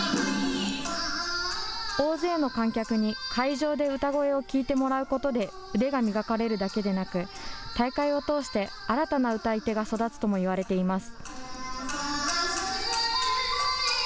大勢の観客に、会場で歌声を聞いてもらうことで腕が磨かれるだけでなく、大会を通して、新たな歌い手が育つともいわれています。